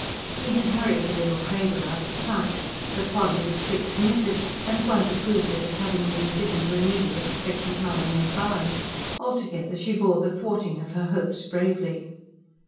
He had hurried the little cradle out of sight. But Polly was quick to miss it, and quite approved of its having been given to a needy expectant mother near by. Altogether she bore the thwarting of her hopes bravely.